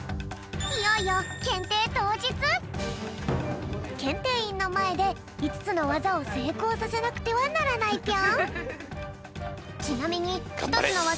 いよいよけんていいんのまえでいつつのわざをせいこうさせなくてはならないぴょん。